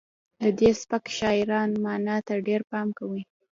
د دې سبک شاعران معنا ته ډیر پام کوي